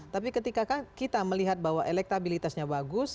tapi ketika kita melihat bahwa elektabilitasnya bagus